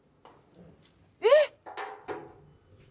えっ！？